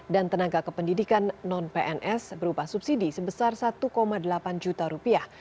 dan tenaga kependidikan non pns berupa subsidi sebesar satu delapan juta rupiah